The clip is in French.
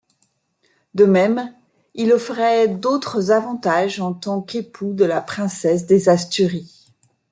De même, il offrait d’autres avantages en tant qu’époux de la princesse des Asturies.